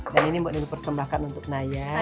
dan ini mbak nilo persembahkan untuk naya